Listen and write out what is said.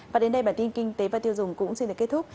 và đến đây bản tin kinh tế và tiêu dùng cũng xin được kết thúc